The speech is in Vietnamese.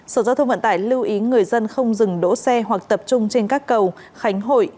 sở giao thông vận tải lưu ý người dân không dừng đỗ xe hoặc tập trung trên các cầu khánh hội